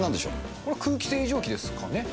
これは空気清浄機ですかね。